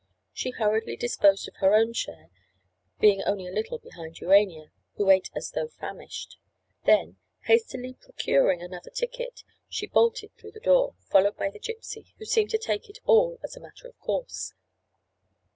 She hurriedly disposed of her own share, being only a little behind Urania, who ate as though famished. Then, hastily procuring another ticket, she bolted through the door, followed by the Gypsy, who seemed to take it all as a matter of course.